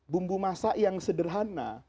bumbu masak yang sederhana